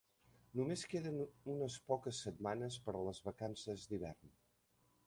Només queden unes poques setmanes per a les vacances d'hivern!